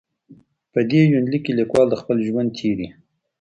په دې یونلیک کې لیکوال د خپل ژوند تېرې.